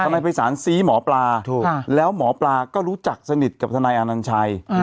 นายภัยศาลซี้หมอปลาแล้วหมอปลาก็รู้จักสนิทกับทนายอนัญชัย